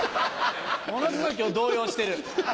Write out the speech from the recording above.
ものすごい今日動揺してる。